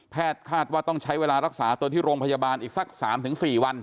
คาดว่าต้องใช้เวลารักษาตัวที่โรงพยาบาลอีกสัก๓๔วัน